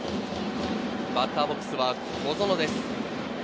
バッターボックスは小園です。